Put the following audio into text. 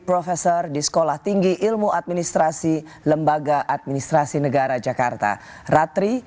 profesor di sekolah tinggi ilmu administrasi lembaga administrasi negara jakarta ratri